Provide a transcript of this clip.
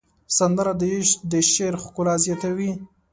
سندره د شعر ښکلا زیاتوي